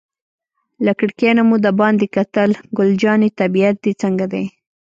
له کړکۍ نه مو دباندې کتل، ګل جانې طبیعت دې څنګه دی؟